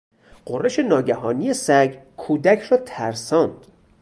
غرش ناگهانی سگ کودک را ترساند.